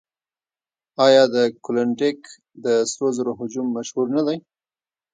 آیا د کلونډیک د سرو زرو هجوم مشهور نه دی؟